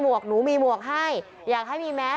เป็นลุคใหม่ที่หลายคนไม่คุ้นเคย